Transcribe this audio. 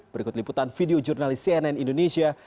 berikut liputan video jurnalis cnn indonesia